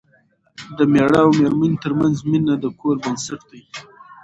د مېړه او مېرمنې ترمنځ مینه د کور بنسټ دی.